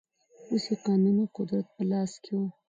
اوس یې قانوني قدرت په لاس کې و.